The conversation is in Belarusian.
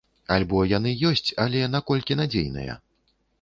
Альбо яны ёсць, але наколькі надзейныя?